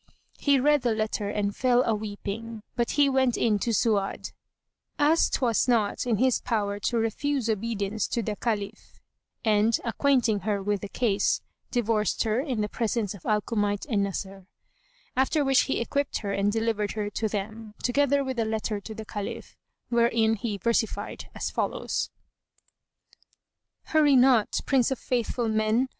He read the letter and fell a weeping; but he went in to Su'ad (as 'twas not in his power to refuse obedience to the Caliph) and, acquainting her with the case, divorced her in the presence of Al Kumayt and Nasr; after which he equipped her and delivered her to them, together with a letter to the Caliph wherein he versified as follows, "Hurry not, Prince of Faithful Men!